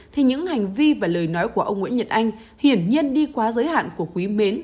thì những hành vi và lời nói của ông nguyễn nhật anh hiển nhân đi quá giới hạn của quý mến